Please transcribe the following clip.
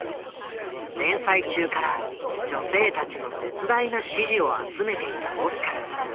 連載中から女性たちの絶大な支持を集めていたオスカル。